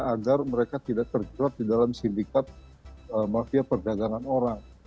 agar mereka tidak terjerat di dalam sindikat mafia perdagangan orang